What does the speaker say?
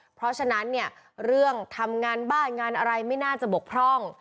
เพราะฉะนั้นเนี่ยเรื่องทำงานบ้านงานอะไรไม่น่าจะบกพร่อง